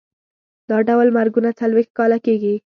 دا ډول مرګونه څلوېښت کاله کېږي.